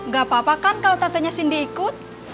gak apa apa kan kalau tatanya cindy ikut